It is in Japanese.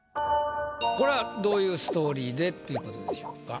これはどういうストーリーでっていうことでしょうか？